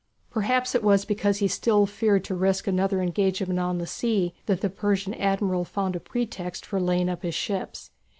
Perhaps it was because he still feared to risk another engagement on the sea, that the Persian admiral found a pretext for laying up his ships.